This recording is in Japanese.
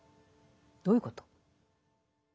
どういうこと？